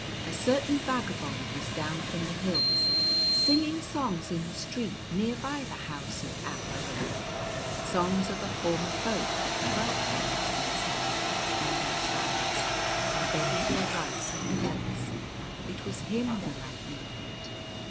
A certain vagabond was down from the hills, singing songs in the street near by the house of Ap Ariph, songs of a former folk that dwelt once, they say, in those valleys, and begging for rice and curds; it was him the lightning hit.